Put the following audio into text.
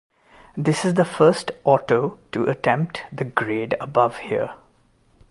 This is the first auto to attempt the grade above here.